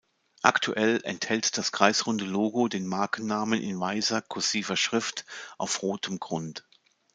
Aktuell enthält das kreisrunde Logo den Markennamen in weißer, kursiver Schrift auf rotem Grund.